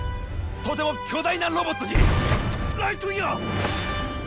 とても巨大なロボットにライトイヤー！